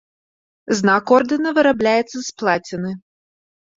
Знак ордэна вырабляецца з плаціны.